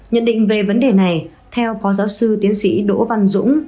nhận định về vấn đề này theo phó giáo sư tiến sĩ đỗ văn dũng